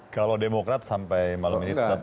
kalau demokrat sampai malam ini tetap